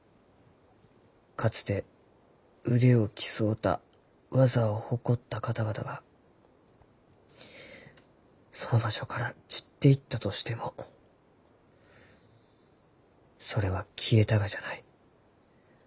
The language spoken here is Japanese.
かつて腕を競うた技を誇った方々がその場所から散っていったとしてもそれは消えたがじゃない。